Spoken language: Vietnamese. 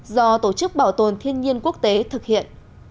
do tổ chức bảo tồn thiên nhiên quốc tế thực hiện